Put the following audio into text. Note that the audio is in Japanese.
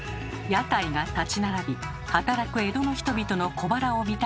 屋台が立ち並び働く江戸の人々の小腹を満たしていました。